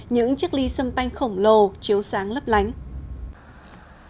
những chiếc ly xâm banh khổng lồ chiếu sáng lấp lánh